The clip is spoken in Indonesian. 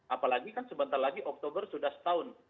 apalagi kan sebentar lagi oktober sudah setahun